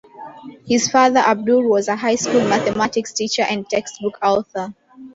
His father Abdur was a high school mathematics teacher and textbook author.